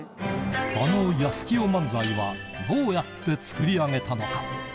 あのやすきよ漫才は、どうやって作り上げたのか。